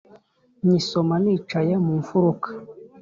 nyisoma nicaye mu mfuruka